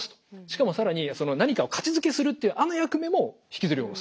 しかも更に何かを価値付けするっていうあの役目も引きずり下ろす。